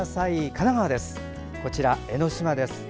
神奈川・江の島です。